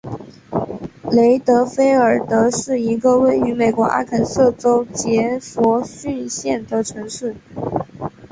雷德菲尔德是一个位于美国阿肯色州杰佛逊县的城市。